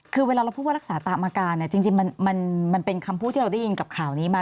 คือเวลาเราพูดว่ารักษาตามอาการเนี่ยจริงมันเป็นคำพูดที่เราได้ยินกับข่าวนี้มา